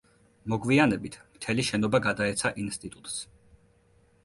მოგვიანებით მთელი შენობა გადაეცა ინსტიტუტს.